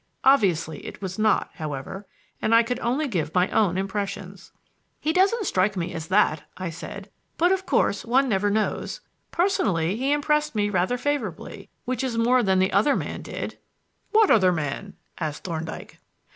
Obviously it was not, however, and I could only give my own impressions. "He doesn't strike me as that," I said; "but of course, one never knows. Personally, he impressed me rather favorably, which is more than the other man did." "What other man?" asked Thorndyke.